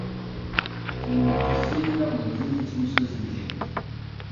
timunatisera mu gihugu cy imisozi miremire